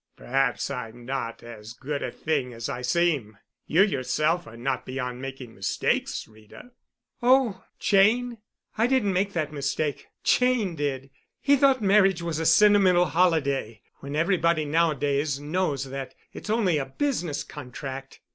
"Perhaps I'm not as good a thing as I seem. You yourself are not beyond making mistakes, Rita." "Oh, Cheyne? I didn't make that mistake, Cheyne did. He thought marriage was a sentimental holiday, when everybody nowadays knows that it's only a business contract.